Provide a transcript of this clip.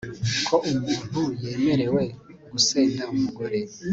ko umuntu yemerewe gusenda umugore